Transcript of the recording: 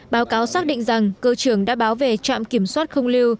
báo cáo xác định rằng cơ trưởng đã báo về trạm kiểm soát không lưu